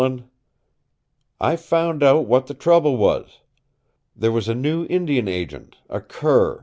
I found out what the trouble was. There was a new Indian Agent, a cur.